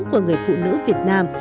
của người phụ nữ việt nam